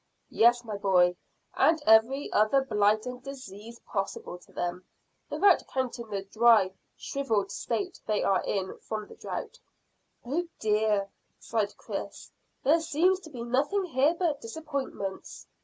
"Yes, my boy, and every other blight and disease possible to them, without counting the dry shrivelled state they are in from the drought." "Oh dear!" sighed Chris. "There seems to be nothing here but disappointments."